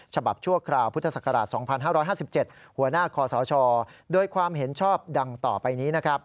ชั่วคราวพุทธศักราช๒๕๕๗หัวหน้าคอสชโดยความเห็นชอบดังต่อไปนี้นะครับ